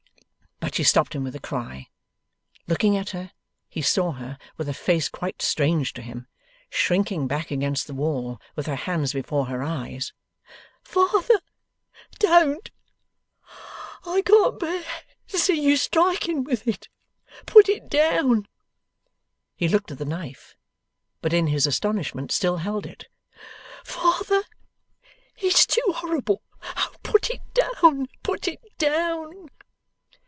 But, she stopped him with a cry. Looking at her he saw her, with a face quite strange to him, shrinking back against the wall, with her hands before her eyes. 'Father, don't! I can't bear to see you striking with it. Put it down!' He looked at the knife; but in his astonishment still held it. 'Father, it's too horrible. O put it down, put it down!